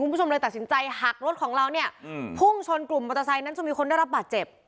คุณผู้ชมเลยตัดสินใจหักรถของเราเนี่ยพุ่งชนกลุ่มมอเตอร์ไซค์นั้นจนมีคนได้รับบาดเจ็บ